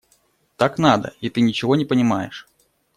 Так надо, и ты ничего не понимаешь.